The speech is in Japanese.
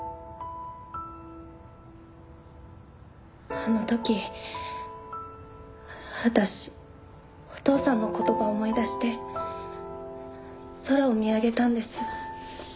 あの時私お父さんの言葉を思い出して空を見上げたんです。